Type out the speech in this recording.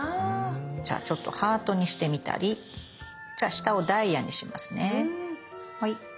じゃあちょっとハートにしてみたりじゃあ下をダイヤにしますね。